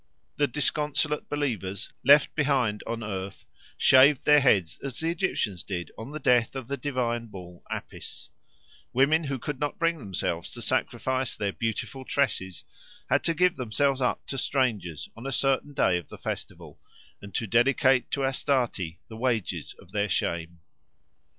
The disconsolate believers, left behind on earth, shaved their heads as the Egyptians did on the death of the divine bull Apis; women who could not bring themselves to sacrifice their beautiful tresses had to give themselves up to strangers on a certain day of the festival, and to dedicate to Astarte the wages of their shame.